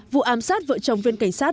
vụ ám sát vợ chồng viên cảnh sát